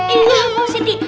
ini loh buan positi